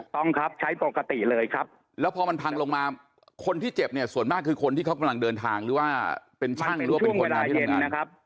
ต้องครับใช้ปกติเลยครับแล้วพอมันพังลงมาคนที่เจ็บเนี่ยส่วนมากคือคนที่เขากำลังเดินทางหรือว่าเป็นช่างหรือว่าเป็นคนงานที่โรงงานนะครับ